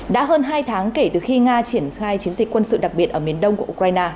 đã hơn hai tháng kể từ khi nga triển khai chiến dịch quân sự đặc biệt ở miền đông của ukraine